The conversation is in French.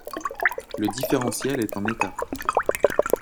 Le différentiel est en état.